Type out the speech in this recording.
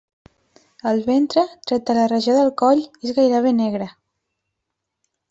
El ventre, tret de la regió del coll, és gairebé negre.